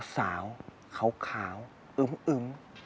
สาวเขาขาวอึ้ม